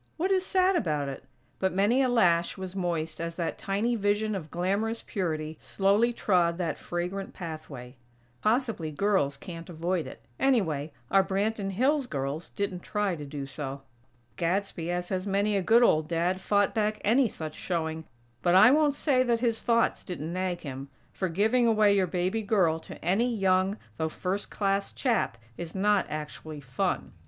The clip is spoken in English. What is sad about it? But many a lash was moist as that tiny vision of glamorous purity slowly trod that fragrant pathway. Possibly girls can't avoid it; anyway, our Branton Hills girls didn't try to do so. Gadsby, as has many a good old Dad, fought back any such showing; but I won't say that his thoughts didn't nag him; for, giving away your baby girl to any young, though first class chap, is not actually fun.